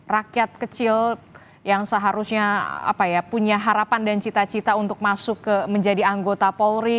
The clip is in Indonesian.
rakyat kecil yang seharusnya punya harapan dan cita cita untuk masuk menjadi anggota polri